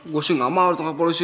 gue sih gak mau ditangkap polisi